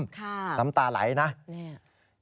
ค่ะน้ำตาไหลนะนี่